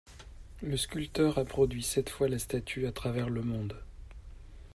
Le sculpteur a produit sept fois la statue à travers le monde.